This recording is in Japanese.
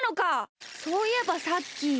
そういえばさっき。